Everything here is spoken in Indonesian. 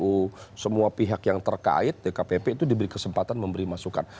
ya bawaslu kpu semua pihak yang terkait ya kpp itu diberi kesempatan memberi masukan